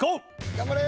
頑張れ！